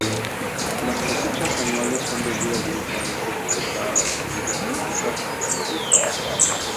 Las cosechas anuales son vendidas directamente en Bogotá, Barranquilla, Cúcuta y Valledupar.